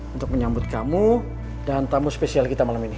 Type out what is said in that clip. untuk menyambut kamu dan tamu spesial kita malam ini